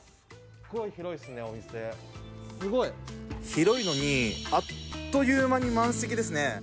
広いのにあっという間に満席ですね。